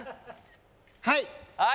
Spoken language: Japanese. はい！